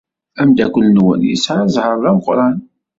Ameddakel-nwen yesɛa zzheṛ d ameqran.